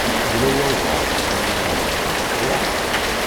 Yella walebɛaḍ i d-iẓeḍmen ɣef Tom.